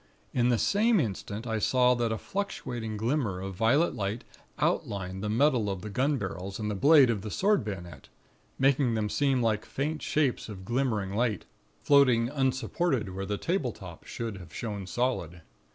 In the same instant, I saw that a fluctuating glimmer of violet light outlined the metal of the gun barrels and the blade of the sword bayonet, making them seem like faint shapes of glimmering light, floating unsupported where the tabletop should have shown solid.